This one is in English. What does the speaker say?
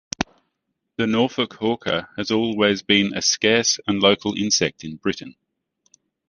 The Norfolk hawker has always been a scarce and local insect in Britain.